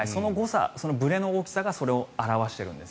そのブレの大きさがそれを表しているんです。